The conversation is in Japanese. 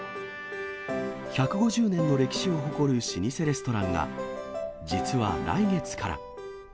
１５０年の歴史を誇る老舗レストランが、実は来月から。